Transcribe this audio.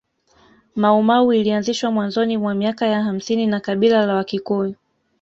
Maumau ilianzishwa mwanzoni mwa miaka ya hamsini na kabila la wakikuyu